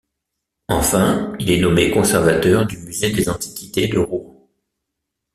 Enfin, il est nommé conservateur du musée des antiquités de Rouen.